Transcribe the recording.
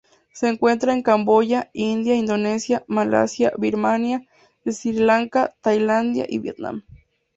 Se encuentra en Camboya, India, Indonesia, Malasia, Birmania, Sri Lanka, Tailandia, y Vietnam.